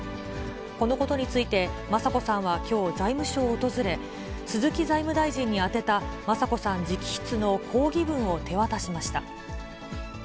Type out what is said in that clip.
このことについて、雅子さんはきょう、財務省を訪れ、鈴木財務大臣に宛てた雅子さん直筆の抗議文を手渡しました。